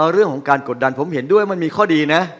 เรื่องของการกดดันผมเห็นด้วยมันมีข้อดีนะ